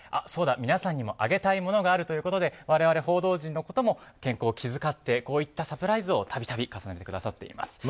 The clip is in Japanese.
そうだ、皆さんにもあげたいものがあるということで我々報道陣のことも健康を気遣ってこういったサプライズを重ねてくださっています。